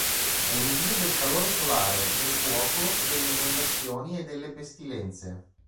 È il dio del calore solare, del fuoco, delle inondazioni e delle pestilenze.